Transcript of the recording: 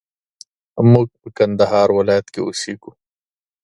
موږ په کندهار ولايت کښي اوسېږو